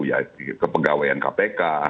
ya kepegawaian kpk